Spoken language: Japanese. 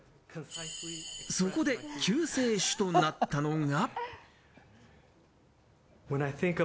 そこで救世主となったのが。